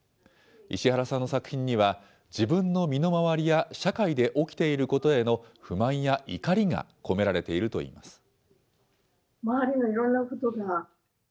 石原さんの作品には、自分の身の回りや社会で起きていることへの不満や怒りが込められているといいます。